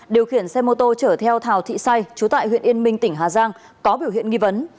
điều khiển xe mô tô chở theo thảo thị say chú tại huyện yên minh tỉnh hà giang có biểu hiện nghi vấn